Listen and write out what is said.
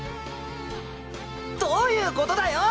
どういうことだよ？